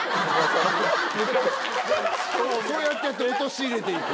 そうやってやって陥れて行く。